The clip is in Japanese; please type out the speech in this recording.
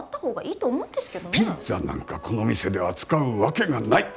ピッツァなんかこの店で扱うわけがない。